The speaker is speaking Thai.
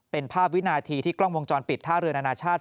เป็นภาพวินาทีที่กล้องวงจรปิดท่าเรือนานาชาติ